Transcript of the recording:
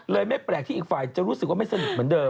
ไม่แปลกที่อีกฝ่ายจะรู้สึกว่าไม่สนิทเหมือนเดิม